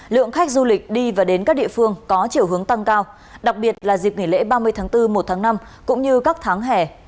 lượng khách du lịch đi và đến các địa phương có chiều hướng tăng cao đặc biệt là dịp nghỉ lễ ba mươi tháng bốn một tháng năm cũng như các tháng hè